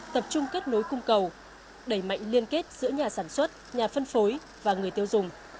tập trung kết nối cung cầu đẩy mạnh liên kết giữa nhà sản xuất nhà phân phối và người tiêu dùng